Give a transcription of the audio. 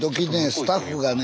スタッフがね